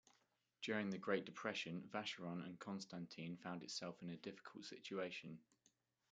During the Great Depression Vacheron and Constantin found itself in a difficult situation.